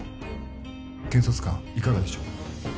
検察官いかがでしょう？